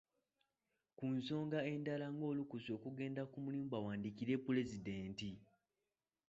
Ku nsonga endala ng'olukusa okugenda ku mulimu bawandiikire Pulezidenti.